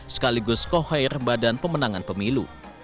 sekaligus kohair badan pemenangan pemilu